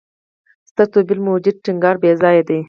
ستر توپیر موجودیت ټینګار بېځایه دی.